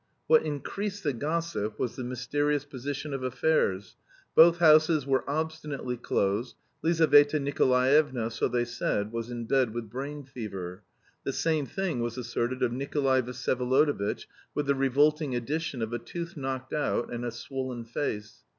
What increased the gossip was the mysterious position of affairs; both houses were obstinately closed; Lizaveta Nikolaevna, so they said, was in bed with brain fever. The same thing was asserted of Nikolay Vsyevolodovitch, with the revolting addition of a tooth knocked out and a swollen face.